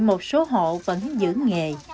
một số hộ vẫn giữ nghề